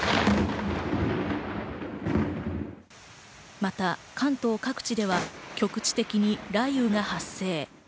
また関東各地では局地的に雷雨が発生。